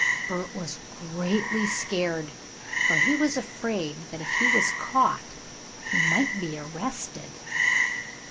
Bert was greatly scared, for he was afraid that if he was caught he might be arrested.